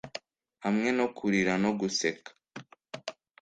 Hamwe no kurira no guseka